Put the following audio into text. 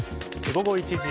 午後１時。